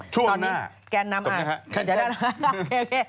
ช่วงหน้าตรงนี้ค่ะแค่นเจ็บโอเค